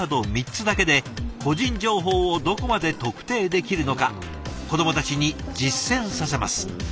３つだけで個人情報をどこまで特定できるのか子どもたちに実践させます。